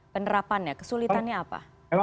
penerapannya kesulitannya apa